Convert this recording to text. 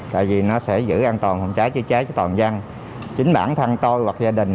tại vì nó sẽ giữ an toàn phòng cháy chữa cháy cho toàn dân chính bản thân tôi hoặc gia đình